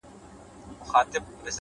پوهه تیاره شکونه له منځه وړي؛